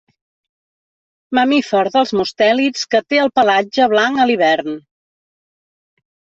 Mamífer dels mustèlids que té el pelatge blanc a l'hivern.